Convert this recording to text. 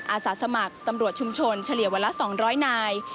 อาสาสมัครตำรวจชุมชนเฉลี่ยวันละ๒๐๐นาย